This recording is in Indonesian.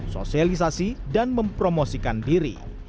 sosialisasi dan mempromosikan diri